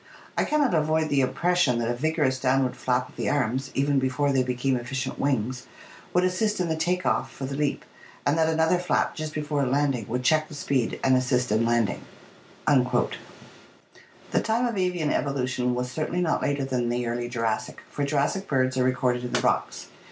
I cannot avoid the impression that a vigorous downward flap of the arms, even before they be came efficient wings, would assist in the ' take off* for the leap, and that another flap just before landing would check the speed and assist in landing." The time of avian evolution was certainly not later than the early Jurassic, for Jurassic birds are recorded in the rocks.